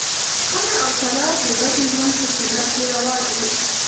خلع او طلاق د بدې ژوند په صورت کې روا دي.